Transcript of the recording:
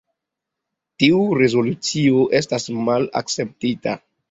Tiu rezolucio estis malakceptita.